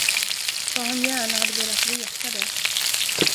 Vad han gärna hade velat veta det!